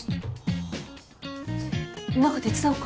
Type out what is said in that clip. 何か手伝おうか？